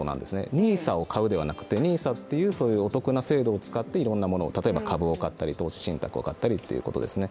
ＮＩＳＡを買うではなくてＮＩＳＡというお得な制度を使って、例えば株を買ったり投資信託を買ったりとかってことですね。